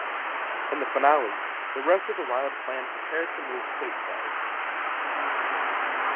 In the finale, the rest of the Wild clan prepared to move stateside.